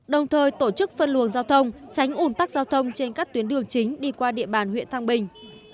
đồng thời tổ chức phân luồng giao thông tránh ủn tắc giao thông trên các tuyến đường chính đi qua địa bàn huyện thăng bình